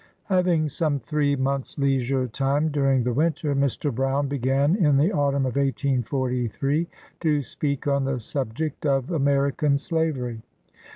" Having some three months leisure time during the winter, Mr. Brown began, in the autumn of 1843, to speak on the subject of American Slavery.